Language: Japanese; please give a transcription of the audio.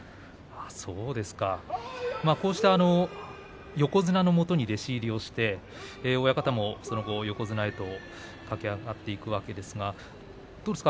こうした横綱のもとに弟子入りをして親方もその後、横綱へと駆け上がっていくわけですがどうですか？